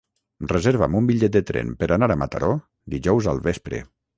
Reserva'm un bitllet de tren per anar a Mataró dijous al vespre.